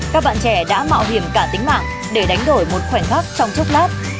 các bạn trẻ đã mạo hiểm cả tính mạng để đánh đổi một khoảnh khắc trong chốc lát